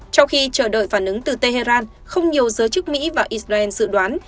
trong khi chờ đợi phản ứng từ tehran không nhiều giới chức mỹ và israel dự đoán